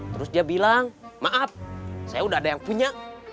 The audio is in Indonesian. terus dia bilang maaf saya udah ada yang punya